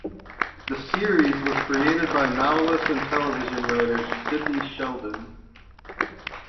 The series was created by novelist and television writer Sidney Sheldon.